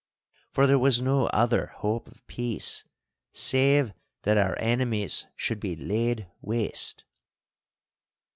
For there was no other hope of peace, save that our enemies should be laid waste.